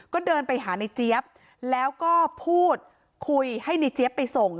ก็เดินไปหาในเจี๊ยบแล้วก็พูดคุยให้ในเจี๊ยบไปส่ง